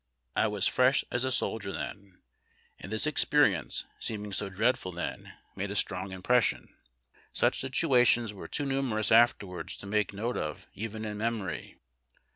I was fresh as a soldier then, and this experience, seem ing so dreadful then, made a strong impression. Such situa tions were too numerous afterwards to make note of even in memory.